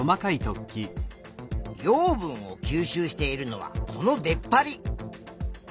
養分を吸収しているのはこの出っ張り。